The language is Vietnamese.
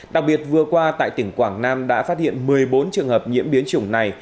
đặc biệt vừa qua tại tỉnh quảng nam đã phát hiện một mươi bốn trường hợp nhiễm biến chủng này